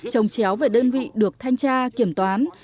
trồng chéo về đơn vị được thanh tra kiểm toán